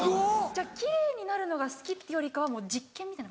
じゃあ奇麗になるのが好きってよりかは実験みたいな？